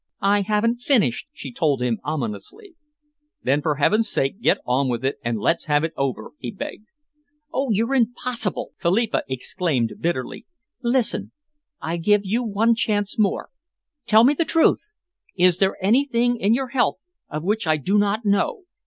"I haven't finished," she told him ominously. "Then for heaven's sake get on with it and let's have it over," he begged. "Oh, you're impossible!" Philippa exclaimed bitterly. "Listen. I give you one chance more. Tell me the truth? Is there anything in your health of which I do not know?